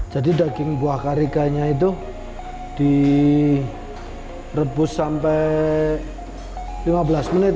jadi daging buah karikanya itu direbus sampai lima belas menit